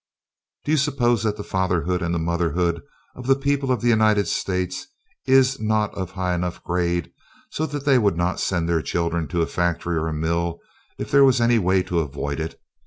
Do you suppose that the fatherhood and the motherhood of the people of the United States is not of a high enough grade so they would not send their children to a factory or a mill if there was any way to avoid it?